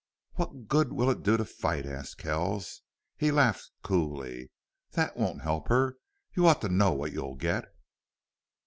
"What good will it do to fight?" asked Kells. He laughed coolly. "That won't help her... You ought to know what you'll get."